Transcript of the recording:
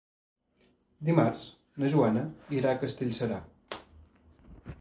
Dimarts na Joana irà a Castellserà.